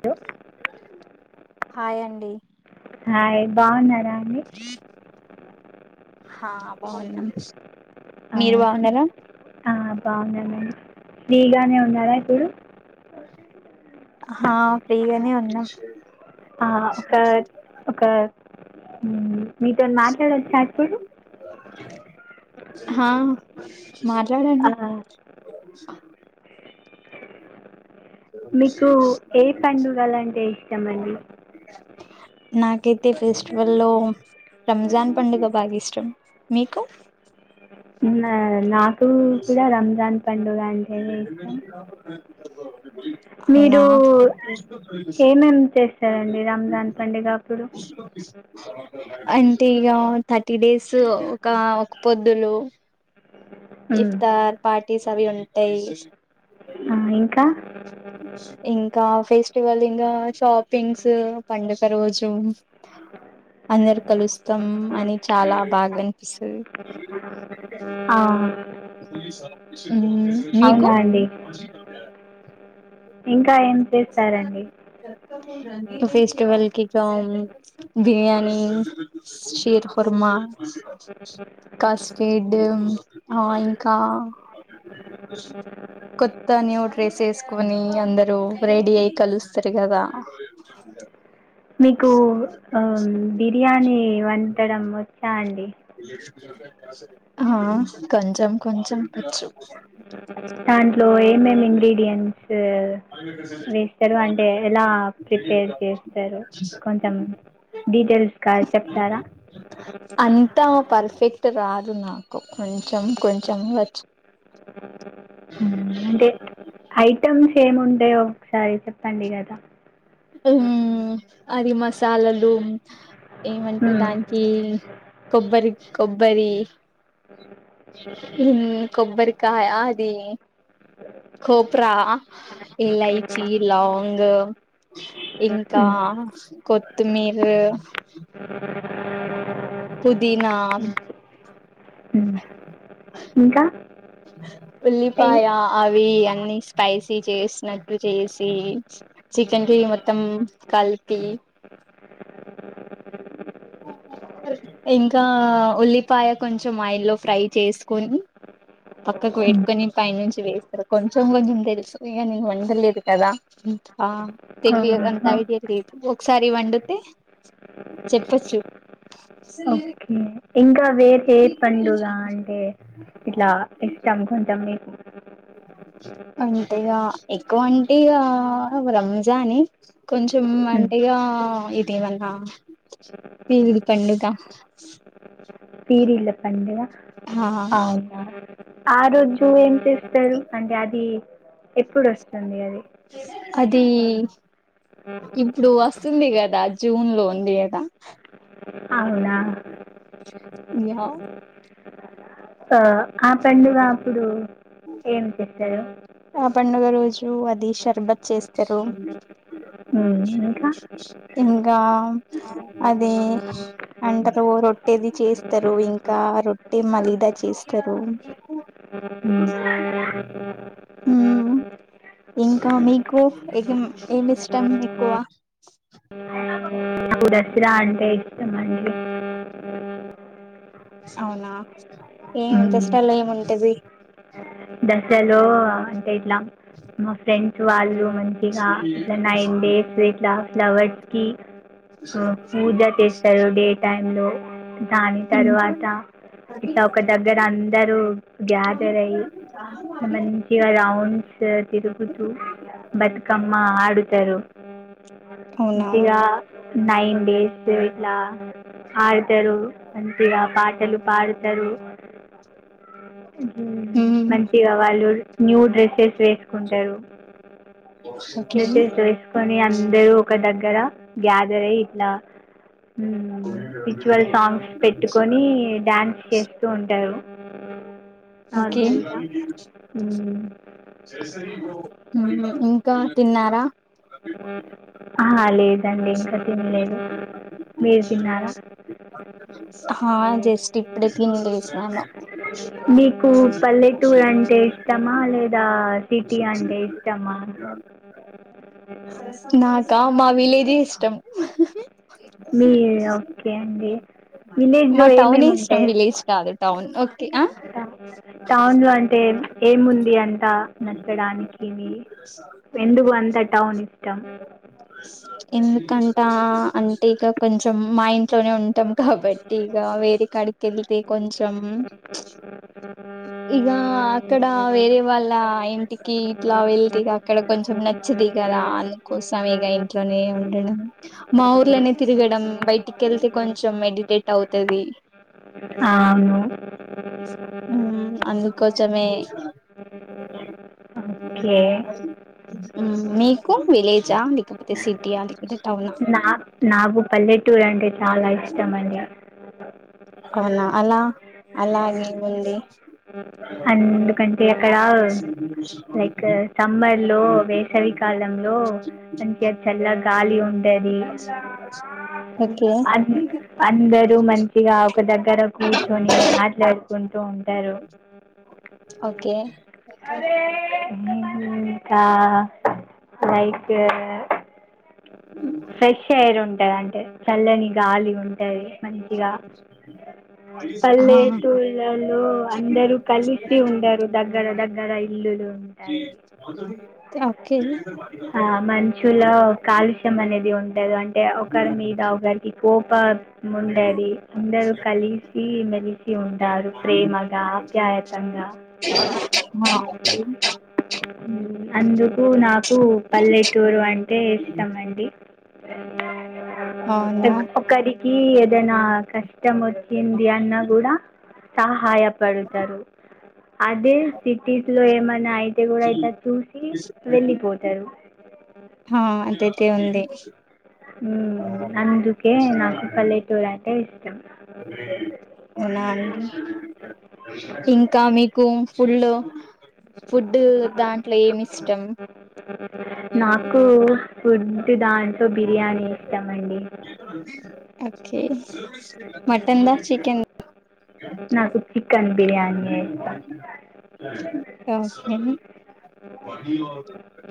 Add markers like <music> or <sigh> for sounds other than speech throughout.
Hello hi అం డి hi బావున్నారా అండి హా బావున్నాం ఆ, మీరు బావున్నారా ఆ బాగున్నానండి ఫ్రీ గానే ఉన్నారా ఇప్పుడు హా ఫ్రీగానే ఉన్నా ఆ ఒక ఒక మ్ మీతోని మాట్లాడోచ్చా ఇప్పుడు హా ఆ, మాట్లాడండి మీకు ఏ పండుగలు అంటే ఇష్టం అండి నాకైతే ఫెస్టివల్ లో రంజాన్ పండుగ బాగా ఇష్టం మీకు నా నాకు కూడా రంజాన్ పండుగ అంటేనే ఇష్టం. అవునా మీరు ఏమేమి చేస్తారండి. రంజాన్ పండుగ అప్పుడు అంటే ఇగ థర్టీ డేస్ ఒక ఒక పొద్దులు మ్, ఇస్తార్ పార్ట్ టీస్ అవి ఉంటయి ఆ ఇంకా <unintelligible> ఇంకా ఫెస్టివల్ ఇంగా షాపింగ్స్ పండుగ రోజు అందరు కలుస్తాం అని చాలా బాగా అనిపిస్తది. ఆ, పొద్దునే షాప్ తీసా ఉమ్ మీకు అవునా ఇంగ ఇంకా ఏం చేస్తారండి. ఫెస్టివల్ కి ఇక బిర్యానీ షీర్ కుర్మా కస్టడ్ ఆ ఇంకా కొత్త న్యూ డ్రెస్ ఏసుకొని అందరూ రెడీ అయ్యి కలుస్తారు కదా మీకు బిర్యానీ వంటడం వచ్చా అండి. హ కొంచెం కొంచెం వచ్చు దాంట్లో ఏమేమి ఇంగ్రిడియంట్స్ <inaudible> టే రాదు నాకు కొంచెం కొంచెం వచ్ ఉంటే ఐటమ్ ఏముంటయో ఒకసారి చెప్పండి కదా. ఉమ్ అది మసాలలు ఏమంటూ మ్మ్. దానికీ కొబ్బరి కొబ్బరి ఉమ్ కొబ్బరికాయ అది కోప్రా ఇలైచి లవంగం ఇంకా మ్మ్. కొత్తిమీర్ పుదీనా మ్మ్. మ్మ్. ఇంకా ఏ- ఉల్లిపాయ అవి అన్ని స్పైసీ చేసినట్టు చేసి చికెన్ కి మొత్తం కల్పి ఇంకా ఉల్లిపాయ కొంచెం ఆయిల్ లో ఫ్రై చేసుకోని పక్కకు మ్మ్. పెట్టుకొని పైన నుంచి వేస్తారు కొంచెం కొంచెం తెలుసు ఇగ నేను వండలేదు కదా ఇంకా అ తెలియదు అంత ఆహా. ఐడియా లేదు ఒకసారి వండితే చెప్పొచ్చు ఇంకా వేర్ ఏ పండుగ అంటే ఇట్లా ఇస్తాం కొంచం మీకు అంటేగా ఎక్కువ అంటేగా రంజాన్ ఏం కొంచెం హ్మ్. అంటేగా ఇది మన వివిది పండుగ తిరిల్ల పండుగ ఆ అవునా ఆ రోజు ఏం చే తెలుసు అంక అది ఎప్పుడు వస్తుంది అది అది ఇప్పుడు వస్తుంది కదా జూన్ లో ఉంది కదా అవునా యా ఆ ఆ పండుగ అప్పుడు ఏం చే శారు ఆ పండుగ రోజు అది షర్బత్ చేస్తారు హ్మ్ ఇంకా ఇంకా అదే అంటారు రొట్టేది చేస్తారు ఇంకా రొట్టే మళ్ళీదా చేస్తారు హ్మ్. హ్మ్ ఇంకా మీకు ఏం ఏమిఇష్టం ఎక్కువ కురసిరాను <unintelligible> అవునా ఏం దసరాలో ఏముంటది దశలో అంటే ఇట్లా మా ఫ్రెండ్స్ వాళ్ళు మంచిగా ఇట్లా నైన్ డేస్ ఇట్లా ఫ్లవర్స్ కి ఆ పూజ చేస్తారు డే టైమ్ లో దాని తర్వాత ఇట్లా ఒక దగ్గర అందరూ గ్యాదర్ అయి మంచిగా రౌండ్స్ తిరుగుతూ బతుకమ్ మ్మ ఆడుతారు అవునా మంచిగా నైన్ డేస్ ఇట్లా ఆడతారు అంతేగాక పాటలు పాడుతారు హ్మ్ హు మ్మ్ మంచిగా వాళ్ళు న్యూ డ్రెసెస్ వేసుకుంటారు ఓకే డ్రెసెస్ వేసుకొని అందరూ ఒక దగ్గర గ్యాదరై ఇట్లా హ్మ్ స్పిరిచువల్ సాంగ్స్ పెట్టుకొని డాన్స్ చేస్తూ ఉంటారు ఓకే నార్మల్గా మ్ ఇంకా తిన్నా రా అ లేేదు మీరు తిన్నారా హా జస్ట్ ఇప్పుడే తిని లేసాను మీకు పల్లెటూరు అంటే ఇష్టమా లేదా సిటీ అంటే ఇష్టమా నాకా మా విలే ఎ ఇష్టం మీ ఓకే అండి మా విలేజ్లో టౌనే ఏమేమి ఇష్టం ఉంటాయి విలేజ్ కాదు టౌన్ ఓకే ఆ టౌన్లో అంటే ఏముంది అంతా నచ్చడానికి ఎందుకు అంతా టౌన్ ఇష్టం ఎందుకంట అంటే ఇక కొంచం మా ఇంట్లోనే ఉంటాం కాబట్టి ఇక వేరే కాడికి వెళ్తే కొంచెం ఇగ అక్కడ వేరే వాళ్ళ ఇంటికి ఇట్లా వెళతే ఇ అక్కడ కొంచెం నచ్చదు కదా అందుకోసం ఇక ఇంట్లోనే ఉ ఉ మా ఊర్లోనే తిరగడం బయటికి వెళ్తే కొంచం మెడిటేట్ అవుతుది ఆ అవును కొంచమే ఓకే మీకు విలేజ్ అ లేకపోతే సిటీ అ నా నాకు పల్లెటూరు అండి చాలా ఇష్టమండి ఔనా అలా అలాగే ఉంది ఆ ఎందుకంటే అక్కడ లైక్ సమ్మర్ లో వేసవి కాలంలో మంచిగా చల్ల గాలి ఉంటది ఓకే ఆ అందరూ మంచిగా ఒక దగ్గర కూర్చొని మాట్లాడుకుంటూ ఉంటారు ఓకే <inaudible> <unintelligible> ఇంకా లైక్ ఫ్రెష్ ఎయిర్ ఉంటాదంటే చల్లని గాలి ఉంటది మంచిగా పల్లెటూళ్ళలో అందరూ ఆ కలిసి ఉండరు దగ్గర దగ్గర ఇల్లులు ఉంటాయి ఓకే ఆ మనిషిలో కాలుష్యం అనేది ఉంటదు అంటే ఒకరి మీద ఒకరి పా అవును డాడి అందరూ కలిసి మెలిసి ఉంటారు ప్రేమగా ఆ రకంగా హా అందుకు నాకు పల్లెటూరు అంటే ఇష్టం అండి <inaudible> ఒ అవునా ఒక్కడి ఈ ఏదైనా కష్ కష్టం వచ్చింది అన్న కూడా సహాయపడు తరు అదే సిటీస్ లో ఏమన్నా అయితే అయితే కూడా ఇట్ల చూసి వెళ్ళిపోతరు. ఆ అదైతే ఉంది. <inaudible> ఉ అందుకే నాకు పల్లెటూరు అంటే ఇష్టం అవునా అండి ఇంకా మీకు ఫుల్లు ఫుడ్ దాంట్లో ఏమి ఇష్టం నాకు ఫుడ్ దాన్ ట్లో బిర్యానీ ఇష్టం అండి. ఓకే మటన్దా, చికెన్దా నాకు చికెన్ బిర్యానీ అయితే క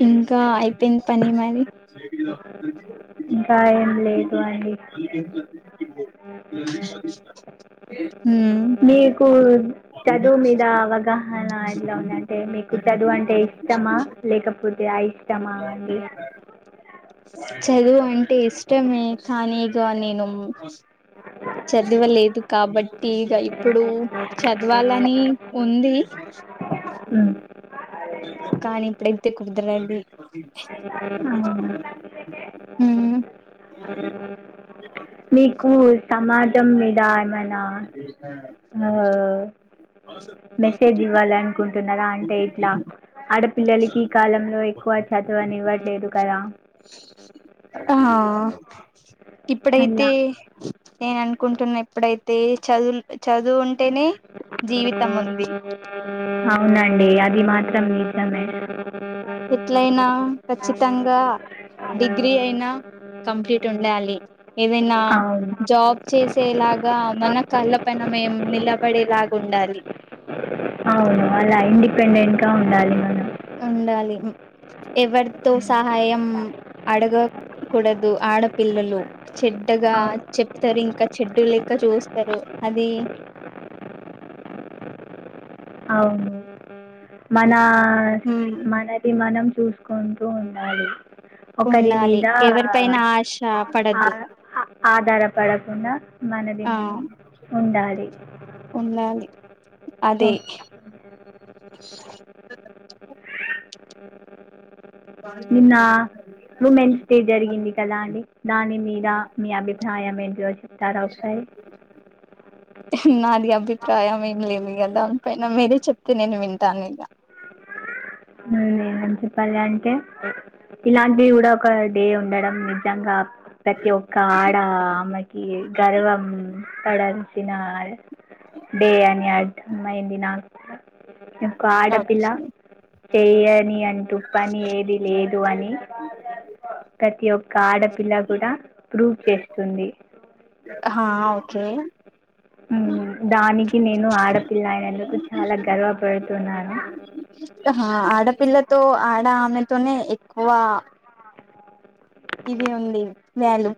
ఇంకా అయిపోయింది పని మరి ఇంకా ఏం లేదు అండి మ్మ్ మీ కు చదువు మీద అవగాహన ఎలా ఉందంటే మీకు చదువు అంటే ఇష్టమా లేకపోతే ఆఇష్టమా అండి. చదువు అంటే ఇష్టమే కానీ ఇగ నేను చదవలేదు కాబట్టి ఇగ ఇప్పుడు చదవాలని ఉంది కానీ ఇప్పుడైతే కుదరది అవునా మీకు సమాజం మీద ఆ మెసేజ్ ఇవ్వాలని అనుకుంటున్నారా అంటే ఇట్లా ఆడపిల్లలకి ఈ కాలంలో ఎక్కువ చదువనివ్వట్లేదు కదా ఆ అలా ఇప్పుడైతే నేను అనుకుంటున్నా ఇప్పుడైతే చదువు చదువు ఉంటేనే జీవితం ఉంది అవునండి అది మాత్ర సమ మీతమే ఎట్లయినా కచ్చిత మతంగా ఆ కంప్లీట్ ఉండాలి ఏదైనా అవును జాబ్ చేసి వచ్చేలాగా మన కాళ్ళ పన మేం నిలబడేలాగా ఉండాలి అవును అలా ఇండిపెండెంట్ గా ఉండాలి మనం ఉ ఎవరితో సహాయం అడగ కుడదు ఆడ పిల్లలు చెడ్డగా అవును చెప్తారు ఇంకా ఇక్క చెడ్డు లేక్క చూస్తారు అది అవు మన ఆ హ్మ్ మనది మనం చూసుకుంటూ ఉన్నాడు ఒకరి ఉండాలి మీద ఎవరిపైన ఆశ ఆ పడద్దు ఆధారపడకుండా మనది ఆ మనం ఉండాలి. ఉండాలి అదే ఓకే నిన్న ఉమెన్స్ డే జరిగింది కదా అండి దాని మీ దా మీ అభిప్రాయం ఏంటిదో చెప్తారా ఒకసారి నా ఇగ అభిప్రాయం ఎమ్ లేదు కదా పైన మీరే చెప్తే నేను వింటాను ఇగ నేను ఏమని చెప్పాలి అంటే ఇలాంటివి కూడా ఒక డే ఉండడం నిజంగా ప్రతి ఒక్క ఆడ ఆమెకి గర్వం పడాల్సిన డే అని అమ్మయింది నాకూడా ఇంకో ఆడపిల్ల ఓకే చేయని అన్ టుప్పని ఏది లేదు అని ప్రతి ఒక్క ఆడపిల్ల కూడా ప్రూవ్ చేస్తుంది. ఆ హా ఓకే దానికి నేను ఆడపిల్ల అయినందుకు చాలా గర్వపడుతున్నాను. ఆడపిల్లతో ఆడామెతోనే ఎక్కువ ఇది ఉంది వ్యాలుమ్